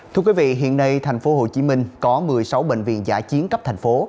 thưa quý vị hiện nay tp hcm có một mươi sáu bệnh viện giả chiến cấp thành phố